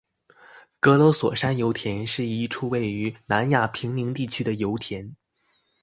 格罗索山油田是一处位于南亚平宁地区的油田。